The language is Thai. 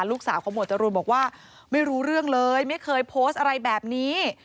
ลูกสาวของหวดจรูนบอกว่าไม่รู้เรื่องเลยไม่เคยโพสต์อะไรแบบนี้